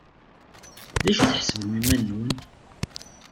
D acu i tḥesbem iman-nwen?